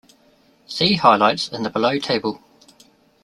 See highlights in the below table.